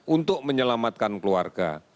untuk menyelamatkan keluarga